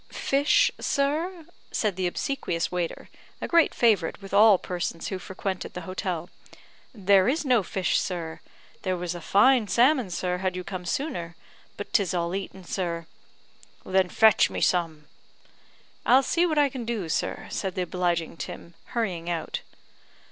"Fish, sir?" said the obsequious waiter, a great favourite with all persons who frequented the hotel; "there is no fish, sir. There was a fine salmon, sir, had you come sooner; but 'tis all eaten, sir." "Then fetch me some." "I'll see what I can do, sir," said the obliging Tim, hurrying out.